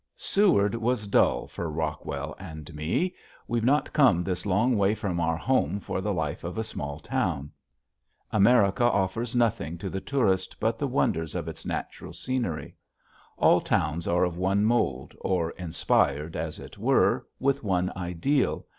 Seward was dull for Rockwell and me. We've not come this long way from our home for the life of a small town. America offers nothing to the tourist but the wonders of its natural scenery. All towns are of one mold or inspired, as it were, with one ideal.